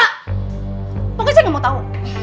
pokoknya saya gak mau tau